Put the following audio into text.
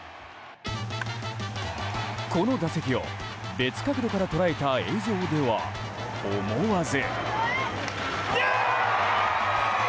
この打席を別角度から捉えた映像では、思わず。